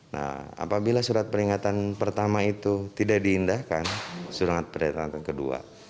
nah apabila surat peringatan pertama itu tidak diindahkan surat peringatan kedua